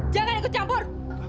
jangan ikut campur